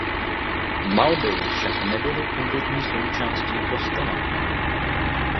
Malby však nebyly původní součástí kostela.